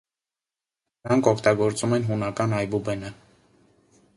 Նրանք օգտագործում են հունական այբուբենը։